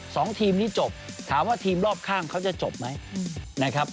สองทีมนี้จบถามว่าทีมรอบข้างเขาจะจบไหมนะครับ